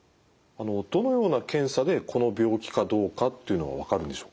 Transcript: どのような検査でこの病気かどうかっていうのは分かるんでしょうか。